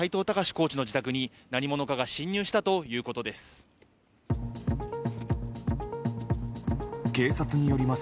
コーチの自宅に何者かが侵入したということです。